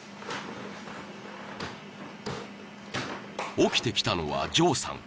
・［起きてきたのはジョーさん］